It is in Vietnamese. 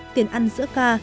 tiền ăn giữa ca